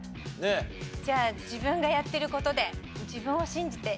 じゃあ自分がやってる事で自分を信じて。